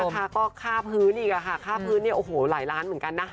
ก็ค่าพื้นอีกค่ะค่าพื้นเนี่ยโอ้โหหลายล้านเหมือนกันนะ